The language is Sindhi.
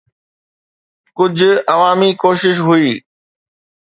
ڪجهه عوامي ڪوشش هئي.